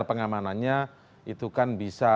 pengamanannya itu kan bisa